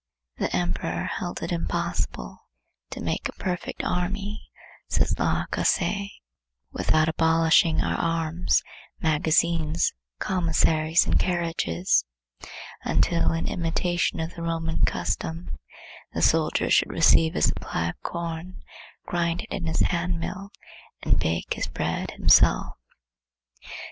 The Emperor held it impossible to make a perfect army, says Las Cases, "without abolishing our arms, magazines, commissaries and carriages, until, in imitation of the Roman custom, the soldier should receive his supply of corn, grind it in his hand mill, and bake his bread himself."